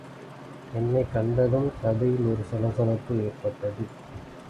என்னைக் கண்டதும் சபையில் ஒரு கலகலப்பு ஏற்பட்டது.